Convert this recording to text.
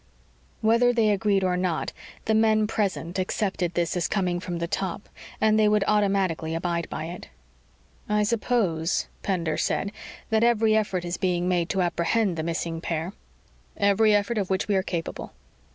Whether they agreed or not, the men present accepted this as coming from the top, and they would automatically abide by it. "I suppose," Pender said, "that every effort is being made to apprehend the missing pair." "Every effort of which we are capable."